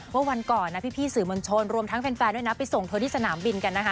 วันก่อนนะพี่สื่อมวลชนรวมทั้งแฟนด้วยนะไปส่งเธอที่สนามบินกันนะคะ